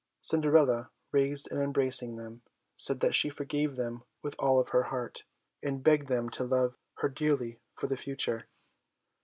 Cinderella raised and embracing them, said that she forgave them with all her heart, and begged them to love her dearly for the future.